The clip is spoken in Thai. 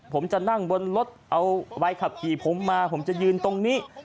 ผมจะนั่งบนรถเอาใบขับขี่ผมมาผมจะยืนตรงนี้